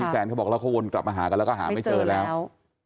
พี่แซนเขาบอกกลับมาหากันแล้วก็หาไม่เจอแล้ว